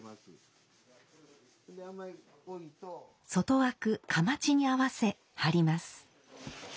外枠「框」に合わせ貼ります。